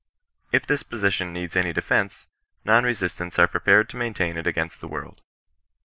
If this position needs any defence, non resistants are prepared to maintain it against the world.